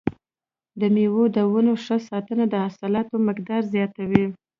د مېوو د ونو ښه ساتنه د حاصلاتو مقدار زیاتوي.